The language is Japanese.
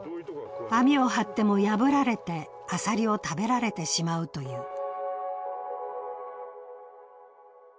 網を張っても破られてアサリを食べられてしまうという。